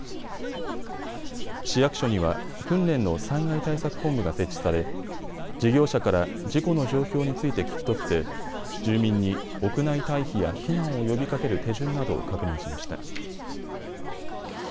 市役所には訓練の災害対策本部が設置され事業者から事故の状況について聞き取って住民に屋内退避や避難を呼びかける手順などを確認しました。